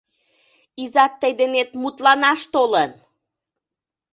Изат тый денет мутланаш толын!..